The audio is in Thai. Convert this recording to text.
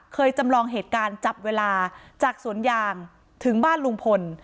จำลองเหตุการณ์จับเวลาจากสวนยางถึงบ้านลุงพล